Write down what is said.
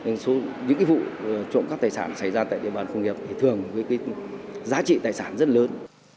nên những vụ trộm cắp tài sản xảy ra tại địa bàn công nghiệp thì thường với cái giá trị tài sản rất lớn